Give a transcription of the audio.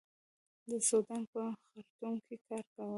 د سوډان په خرتوم کې کار کاوه.